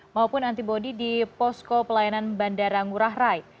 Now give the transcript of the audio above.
maupun antibody di posko pelayanan bandara ngurah rai